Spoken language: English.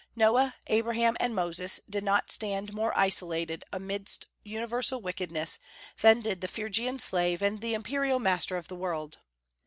Noah, Abraham, and Moses did not stand more isolated amidst universal wickedness than did the Phrygian slave and the imperial master of the world.